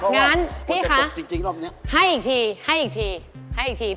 งั้นพี่คะจริงรอบนี้ให้อีกทีให้อีกทีให้อีกที